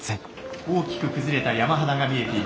大きく崩れた山肌が見えています。